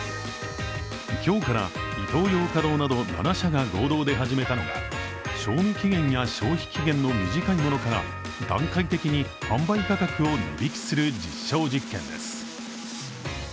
今日から、イトーヨーカドーなど７社が合同で始めたのが賞味期限や消費期限の短いものから段階的に販売価格を値引きする実証実験です。